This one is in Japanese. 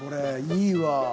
いいわ。